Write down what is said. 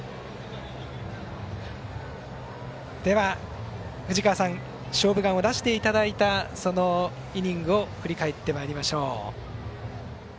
では、藤川さん「勝負眼」を出していただいたそのイニングを振り返ってまいりましょう。